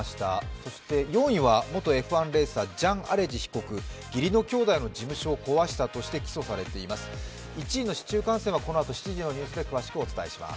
そして４位は元Ｆ１レーサージャン・アレジさんのニュース、義理の兄弟の事務所を壊したとして起訴されています。